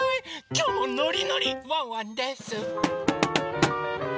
きょうもノリノリワンワンです！